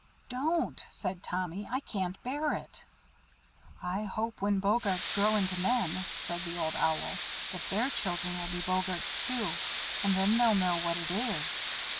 "Don't!" said Tommy. "I can't bear it." "I hope when Boggarts grow into men," said the Old Owl, "that their children will be Boggarts too, and then they'll know what it is!"